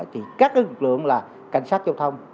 thì các lực lượng là cảnh sát giao thông